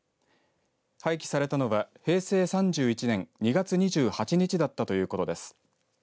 廃棄されたのは平成３１年２月２８日だったということです。